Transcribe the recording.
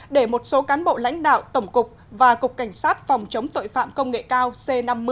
để một số cán bộ lãnh đạo tổng cục và cục cảnh sát phòng chống tội phạm công nghệ cao c năm mươi